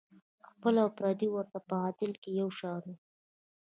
خپل او پردي ورته په عدل کې یو شان وو.